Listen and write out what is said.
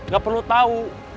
gak perlu tahu